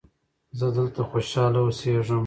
زه دلته خوشحاله اوسیږم.